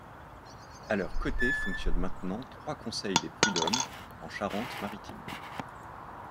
À leurs côtés fonctionnent maintenant trois Conseils des Prudhommes en Charente-Maritime.